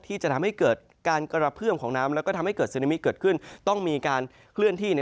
ที่จะทำให้เกิดการกระเพื่อมของน้ำ